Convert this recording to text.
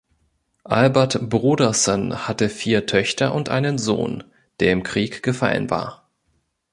Albert Brodersen hatte vier Töchter und einen Sohn, der im Krieg gefallen war.